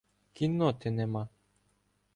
Кінноти нема.